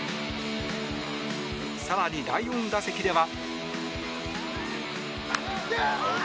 更に第４打席では。